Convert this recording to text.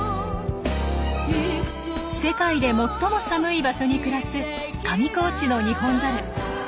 世界で最も寒い場所に暮らす上高地のニホンザル。